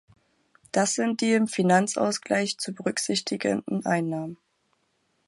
Das sind die im Finanzausgleich zu berücksichtigenden Einnahmen.